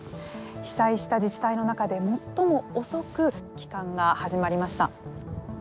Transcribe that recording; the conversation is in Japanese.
被災した自治体の中で最も遅く帰還が始まりました。